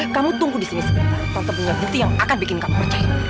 kamu tunggu disini sebentar tante punya bukti yang akan bikin kamu percaya